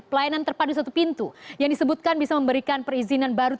pelayanan terpadu satu pintu yang disebutkan bisa memberikan perizinan baru